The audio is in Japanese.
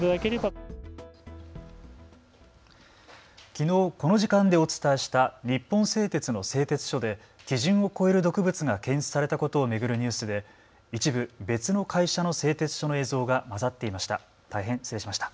きのう、この時間でお伝えした日本製鉄の製鉄所で基準を超える毒物が検出されたことを巡るニュースで一部、別の会社の製鉄所の映像がまざっていました。